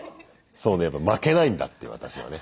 そうね負けないんだって私はね。